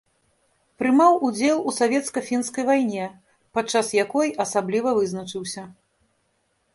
Прымаў удзел у савецка-фінскай вайне, падчас якой асабліва вызначыўся.